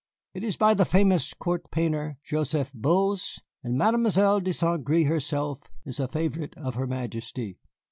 "It is by the famous court painter, Joseph Boze, and Mademoiselle de Saint Gré herself is a favorite of her Majesty."